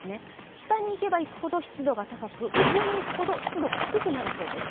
下に行けば行くほど湿度が高く、上に行くほど湿度が低くなるそうです。